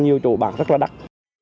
nhiều chỗ bán rất là đắt